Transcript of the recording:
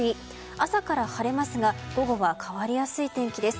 朝から晴れますが午後は変わりやすい天気です。